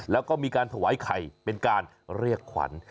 แล้วก็มีการถวายไข่เป็นการเรียกขวัญ